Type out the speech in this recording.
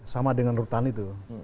sama dengan rutan itu